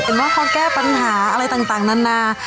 เห็นว่าเขาแก้ปัญหาอะไรต่างนานา